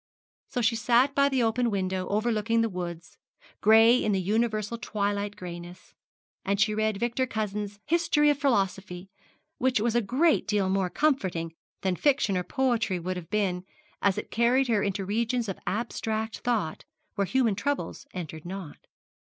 So she sat by the open window overlooking the woods, gray in the universal twilight grayness, and she read Victor Cousin's 'History of Philosophy,' which was a great deal more comforting than fiction or poetry would have been, as it carried her into regions of abstract thought where human troubles entered not.